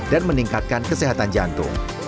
dan meningkatkan kesehatan jantung